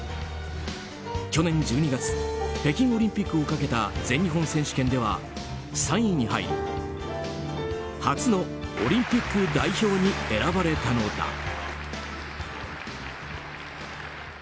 去年１２月北京オリンピックをかけた全日本選手権では３位に入り初のオリンピック代表に選ばれたのだ。